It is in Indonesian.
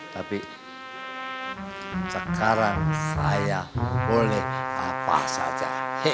tapi sekarang saya boleh apa saja